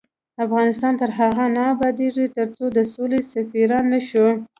افغانستان تر هغو نه ابادیږي، ترڅو د سولې سفیران نشو.